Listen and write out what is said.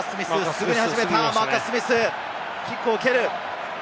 すぐ始めた、マーカス・スミス、キックを蹴る！